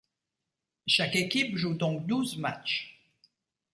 Chaque équipe joue donc douze matches.